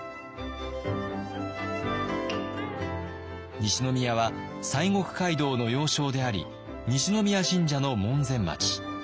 西宮は西国街道の要衝であり西宮神社の門前町。